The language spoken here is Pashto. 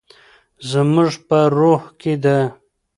زموږ په روح کې ده.